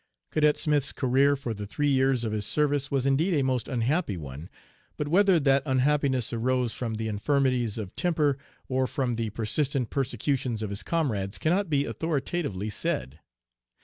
"Cadet Smith's career for the three years of his service was indeed a most unhappy one, but whether that unhappiness arose from THE INFIRMITIES OF TEMPER or from the persistent persecutions of his comrades cannot be authoritatively said.